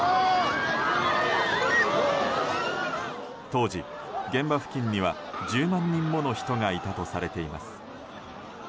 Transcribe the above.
当時、現場付近には１０万人もの人がいたとされています。